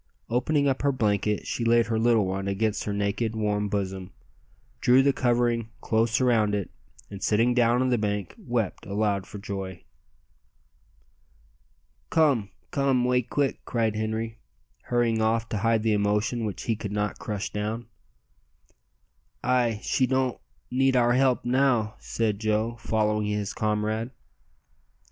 Opening up her blanket she laid her little one against her naked, warm bosom, drew the covering close around it, and sitting down on the bank wept aloud for joy. "Come come 'way quick," cried Henri, hurrying off to hide the emotion which he could not crush down. "Ay, she don't need our help now," said Joe, following his comrade.